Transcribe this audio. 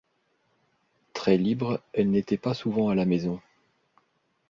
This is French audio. Très libre, elle n'était pas souvent à la maison.